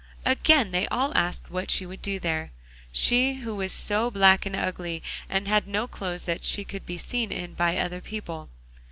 Again they all asked what she would do there, she who was so black and ugly, and had no clothes that she could be seen in by other people.